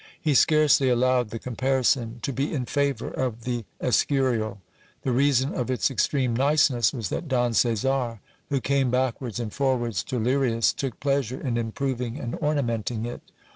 He scarcely allowed the comparison to be in favour of the Escurial. The reason of its ex treme niceness was that Don Caesar, who came backwards and forwards to Lirias, took pleasure in improving and ornamenting it.